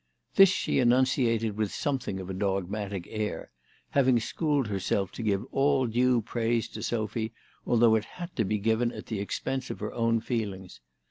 This she enunciated with something of a dogmatic air ; having schooled herself to give all due praise to Sophy, although it had to be given at the expense of her own feelings.